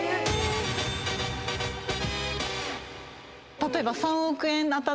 例えば。